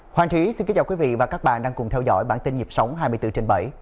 hoàng thúy xin kính chào quý vị và các bạn đang cùng theo dõi bản tin nhịp sống hai mươi bốn h